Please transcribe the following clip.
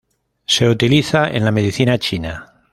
Se utiliza en la medicina china.